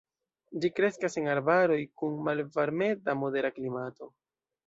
Ĝi kreskas en arbaroj kun malvarmeta-modera klimato.